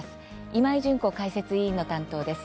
今井純子解説委員の担当です。